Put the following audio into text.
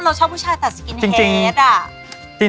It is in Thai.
เราชอบผู้ชายตัดสกินเล็ก